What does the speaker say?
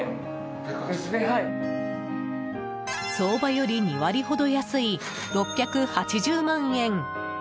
相場より２割ほど安い６８０万円。